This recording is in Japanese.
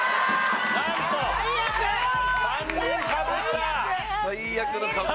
なんと３人かぶった。